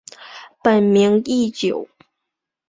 本名义久。